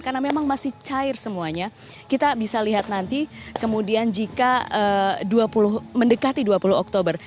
karena memang masih cair semuanya kita bisa lihat nanti kemudian jika mendekati dua puluh oktober